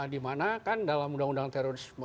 dimana kan dalam undang undang terorisme